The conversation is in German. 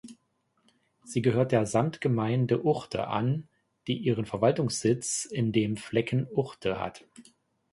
Sie gehört der Samtgemeinde Uchte an, die ihren Verwaltungssitz in dem Flecken Uchte hat.